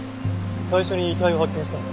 最初に遺体を発見したのは？